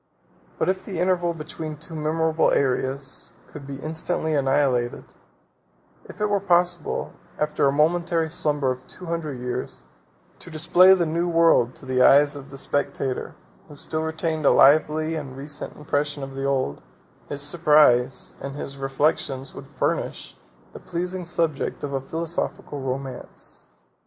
But if the interval between two memorable eras could be instantly annihilated; if it were possible, after a momentary slumber of two hundred years, to display the new world to the eyes of a spectator, who still retained a lively and recent impression of the old, his surprise and his reflections would furnish the pleasing subject of a philosophical romance.